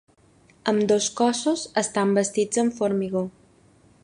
Ambdós cossos estan bastits amb formigó.